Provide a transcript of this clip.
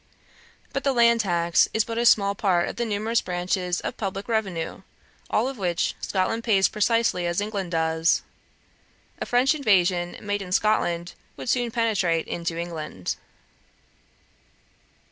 But the land tax is but a small part of the numerous branches of publick revenue, all of which Scotland pays precisely as England does. A French invasion made in Scotland would soon penetrate into England.